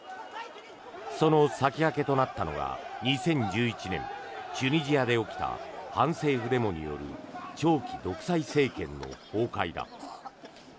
その先駆けとなったのが２０１１年チュニジアで起きた反政府デモによる長期独裁政権の崩壊だ。